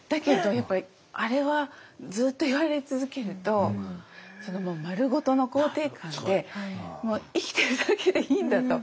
やっぱりあれはずっと言われ続けるとまるごとの肯定感で生きてるだけでいいんだと。